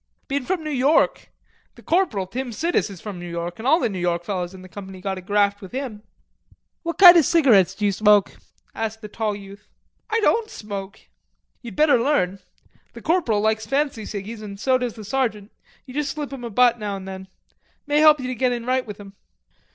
"Bein' from New York. The corporal, Tim Sidis, is from New York, an' all the New York fellers in the company got a graft with him." "What kind of cigarettes d'ye smoke?" asked the tall youth. "I don't smoke." "Ye'd better learn. The corporal likes fancy ciggies and so does the sergeant; you jus' slip 'em each a butt now and then. May help ye to get in right with 'em."